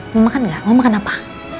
mau makan gak mau makan apa